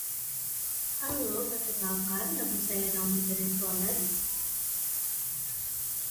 Gosford has three platforms, one island with two faces and one side platform.